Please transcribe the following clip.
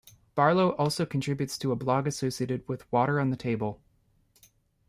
Barlow also contributes to a blog associated with "Water on the Table".